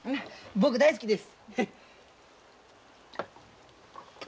僕大好きです。